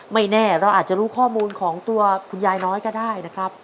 ไม่แน่เราอาจจะรู้ข้อมูลของตัวคุณยายน้อยก็ได้นะครับ